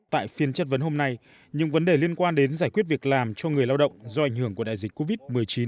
tại phiên chất vấn hôm nay những vấn đề liên quan đến giải quyết việc làm cho người lao động do ảnh hưởng của đại dịch covid một mươi chín